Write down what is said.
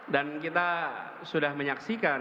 dan kita sudah menyaksikan